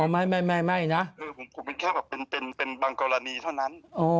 ไม่คือเป็นบางกรณีเท่านั้น